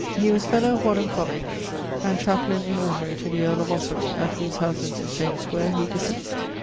He was fellow of Wadham College and chaplain in ordinary to the earle of Ossory, at whose house in St. James' Square he deceased.